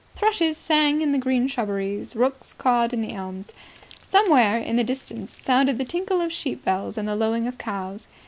Thrushes sang in the green shrubberies; rooks cawed in the elms. Somewhere in the distance sounded the tinkle of sheep bells and the lowing of cows.